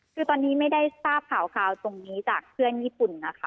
คือตอนนี้ไม่ได้ทราบข่าวตรงนี้จากเพื่อนญี่ปุ่นนะคะ